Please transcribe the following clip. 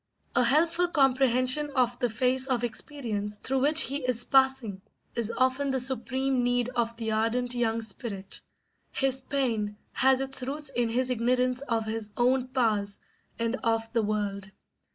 A helpful comprehension of the phase of experience through which he is passing is often the supreme need of the ardent young spirit. His pain has its roots in his ignorance of his own powers and of the world.